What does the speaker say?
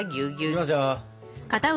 いきますよ。